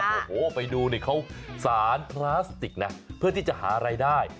โอ้โหไปดูดิเขาสารพลาสติกนะเพื่อที่จะหารายได้